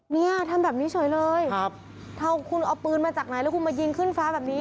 เนี่ยทำแบบนี้เฉยเลยครับถ้าคุณเอาปืนมาจากไหนแล้วคุณมายิงขึ้นฟ้าแบบนี้